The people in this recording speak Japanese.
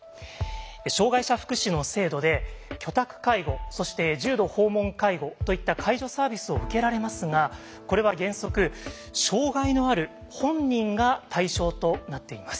障害者福祉の制度で「居宅介護」そして「重度訪問介護」といった介助サービスを受けられますがこれは原則障害のある本人が対象となっています。